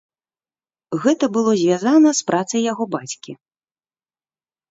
Гэта было звязана з працай яго бацькі.